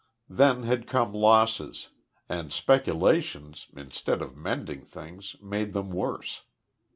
Then had come losses; and speculations, instead of mending things, made them worse.